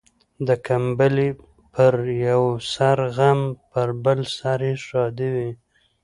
د کمبلي پر يوه سر غم ، پر بل سر يې ښادي وي.